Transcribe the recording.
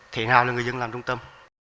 thế nào là người dân làm trung tâm